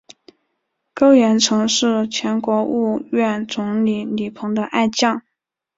高严曾是前国务院总理李鹏的爱将。